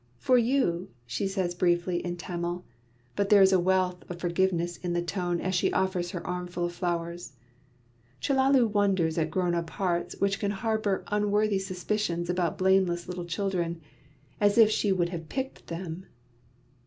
"For you!" she says briefly in Tamil; but there is a wealth of forgiveness in the tone as she offers her armful of flowers. Chellalu wonders at grown up hearts which can harbour unworthy suspicions about blameless little children. As if she would have picked them!